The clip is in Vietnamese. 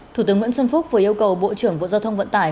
thủ tướng nguyễn xuân phúc vừa yêu cầu bộ trưởng bộ giao thông vận tải